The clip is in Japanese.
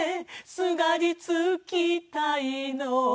「すがりつきたいの」